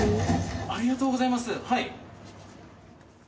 ありがとうございます。